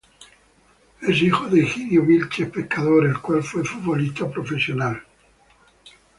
Es hijo de Higinio Vilches Pescador el cual fue futbolista profesional.